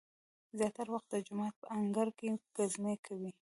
زیاتره وخت د جومات په انګړ کې ګزمې کوي.